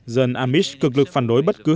dân amish cực lực phản đối bất cứ hình thức